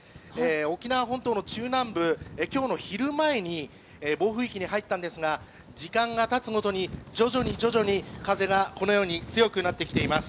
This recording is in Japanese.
沖縄本島の中南部、今日の昼前に暴風域に入ったんですが、時間がたつごとに徐々に徐々に風がこのように強くなってきています。